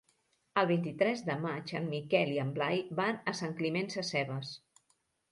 El vint-i-tres de maig en Miquel i en Blai van a Sant Climent Sescebes.